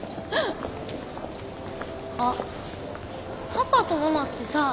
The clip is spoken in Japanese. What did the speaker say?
あっパパとママってさ